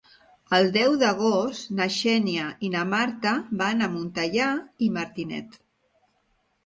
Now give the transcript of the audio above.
El deu d'agost na Xènia i na Marta van a Montellà i Martinet.